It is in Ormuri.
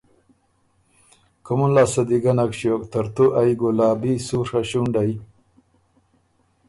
کومُن لاسته دی ګۀ نک ݭیوک ترتو ائ ګلابی سُوڒه ݭُونډئ